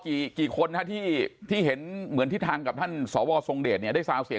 คุยกับคุณสมศักดิ์เทพสุธิมจากทางเพื่อไทย